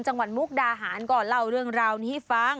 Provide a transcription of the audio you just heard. จังหวันมุกดาหารก่อนเล่าเรื่องราวนี้ฟัง